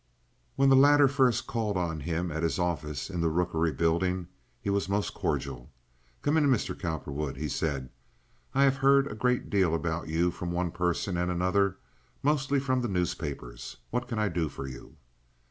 When the latter first called on him at his office in the Rookery Building, he was most cordial. "Come in, Mr. Cowperwood," he said. "I have heard a great deal about you from one person and another—mostly from the newspapers. What can I do for you?"